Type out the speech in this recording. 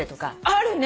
あるね。